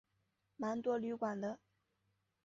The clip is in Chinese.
蛮多旅馆的